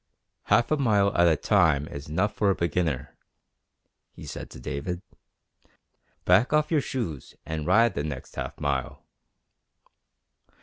"Half a mile at a time is enough for a beginner," he said to David. "Back off your shoes and ride the next half mile."